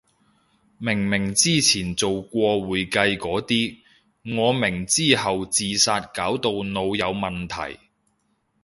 明明之前做過會計個啲，我明之後自殺搞到腦有問題